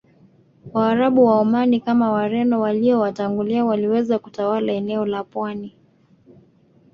Waarabu wa Omani kama Wareno waliowatangulia waliweza kutawala eneo la pwani